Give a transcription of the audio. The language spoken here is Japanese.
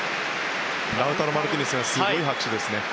ラウタロ・マルティネスにすごい拍手ですね。